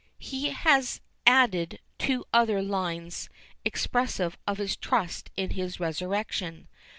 He has added two other lines expressive of his trust in his resurrection.